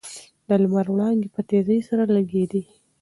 د لمر وړانګې په تېزۍ سره لګېدې.